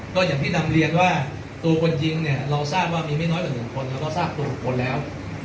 ก็อย่างที่นำเรียนว่าตัวกลิ่งเราทราบว่ามีมีไม่น้อยกว่า๑คนว่าตัวกลิ่ง๖คนแล้ว